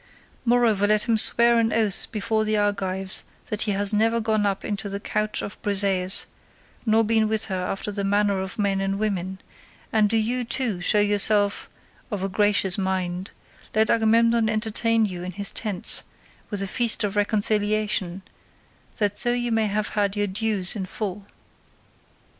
Moreover let him swear an oath before the Argives that he has never gone up into the couch of Briseis, nor been with her after the manner of men and women; and do you, too, show yourself of a gracious mind; let Agamemnon entertain you in his tents with a feast of reconciliation, that so you may have had your dues in full.